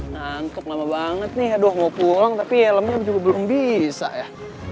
nangkep lama banget nih aduh mau pulang tapi helmnya juga belum bisa ya